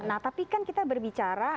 nah tapi kan kita berbicara